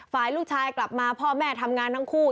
ฝ่ายลูกชายกลับมาพ่อแม่ทำงานทั้งคู่